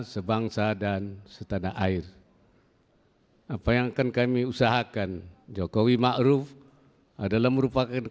sebangsa dan setanah air hai apa yang akan kami usahakan jokowi ma'ruf adalah merupakan